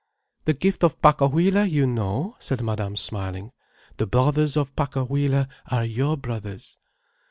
"The gift of Pacohuila you know," said Madame, smiling. "The brothers of Pacohuila are your brothers."